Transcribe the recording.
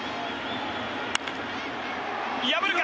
破るか？